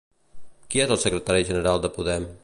Qui és el secretari general de Podem?